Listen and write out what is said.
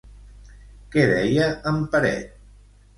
Què deia en Peret?